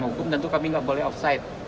hukum tentu kami gak boleh offsite